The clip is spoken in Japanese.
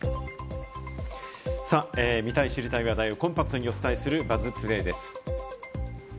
見たい知りたい話題をコンパクトにお伝えする、ＢＵＺＺトゥデイです。